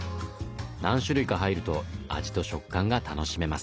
何種類か入ると味と食感が楽しめます。